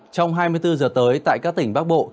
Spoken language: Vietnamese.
trong hai mươi bốn giờ tới tại các tỉnh bắc bộ